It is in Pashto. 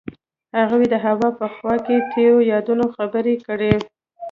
هغوی د هوا په خوا کې تیرو یادونو خبرې کړې.